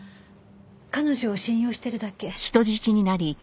彼女を信用してるだけ。